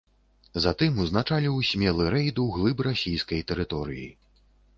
Затым узначаліў смелы рэйд у глыб расійскай тэрыторыі.